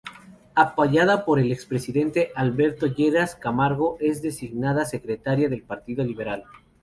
Apoyada por el ex Presidente Alberto Lleras Camargo es designada Secretaria del Partido Liberal.